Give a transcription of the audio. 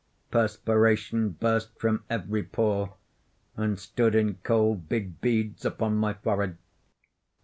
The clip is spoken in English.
Perspiration burst from every pore, and stood in cold big beads upon my forehead.